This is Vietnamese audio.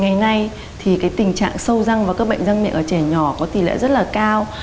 ngày nay thì tình trạng sâu răng và các bệnh răng miệng ở trẻ nhỏ có tỷ lệ rất là cao